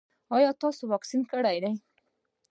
ایا تاسو واکسین کړی دی؟